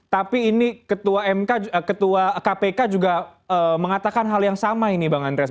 tapi ini ketua mk ketua kpk juga mengatakan hal yang sama ini bang andreas